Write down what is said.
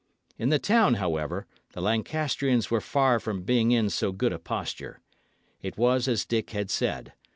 In the town, however, the Lancastrians were far from being in so good a posture. It was as Dick had said.